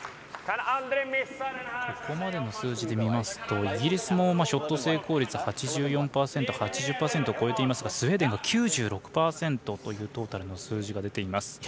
ここまでの数字で見ますとイギリスもショット成功率８４％８０％を超えていますからスウェーデンが９６％というトータルの数字が出ています。